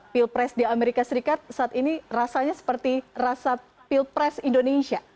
pilpres di amerika serikat saat ini rasanya seperti rasa pilpres indonesia